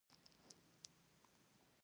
غیرت د پښتون د شخصیت اصلي برخه ده.